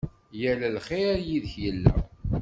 Yal lxir yid-k yella.